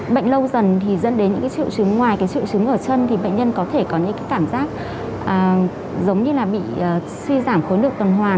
bệnh lâu dần thì dẫn đến những cái triệu chứng ngoài cái triệu chứng ở chân thì bệnh nhân có thể có những cái cảm giác giống như là bị suy giảm khối lượng tuần hoàn